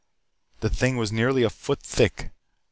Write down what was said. The thing was nearly a foot thick.